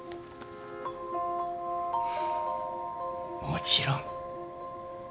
もちろん。